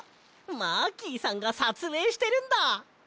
マーキーさんがさつえいしてるんだ。